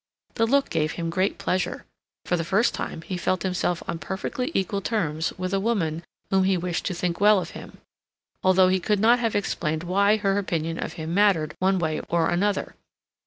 The look gave him great pleasure. For the first time he felt himself on perfectly equal terms with a woman whom he wished to think well of him, although he could not have explained why her opinion of him mattered one way or another.